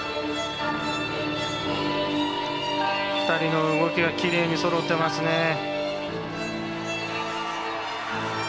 ２人の動きがきれいにそろってますね。